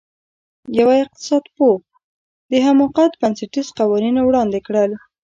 یوه اقتصادپوه د حماقت بنسټیز قوانین وړاندې کړل.